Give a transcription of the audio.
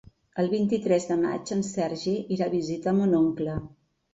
El vint-i-tres de maig en Sergi irà a visitar mon oncle.